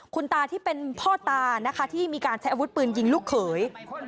คุณตาที่เป็นพ่อตานะคะที่มีการใช้อาวุธปืนยิงลูกเขย